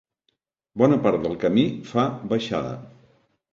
Bona part del camí fa baixada.